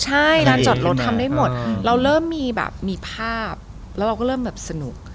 ใช่ร้านจอดรถทำได้หมดเราเริ่มมีภาพเราก็เริ่มสนุก